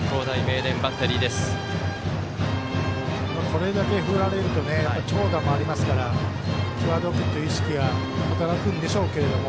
これだけ振られると長打もありますから際どくという意識は出るんでしょうけど。